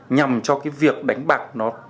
nhằm cho việc đánh bạc có thể được xử lý